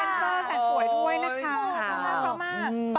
ขอบคุณลองร้องอนเติ้ร์แสดงสวยด้วยนะคะ